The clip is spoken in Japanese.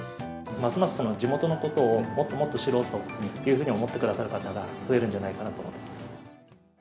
ますます地元のことをもっともっと知ろうというふうに思ってくださる方が増えるんじゃないかなと思ってます。